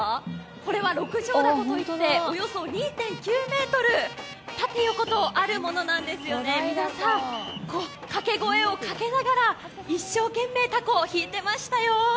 これは６畳凧といって、およそ２．９ｍ縦横とあるものなんです、皆さん、掛け声をかけながら一生懸命、凧を引いていましたよ。